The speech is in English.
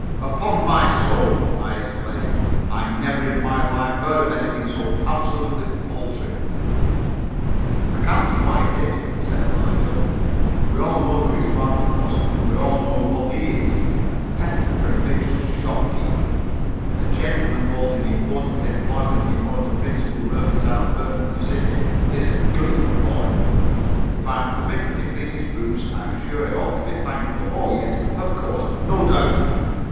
"Upon my soul," I exclaimed, "I never in my life heard of anything so absolutely paltry." "I can't think why it is," said Eliza. "Oh, we're not good enough for them. We all know who his father was, and we all know what he is a petty provincial shopkeeper! A gentleman holding important employment in one of the principal mercantile firms in the city isn't good enough for him. If I'm permitted to clean his boots I'm sure I ought to be thankful. Oh, yes! Of course! No doubt!"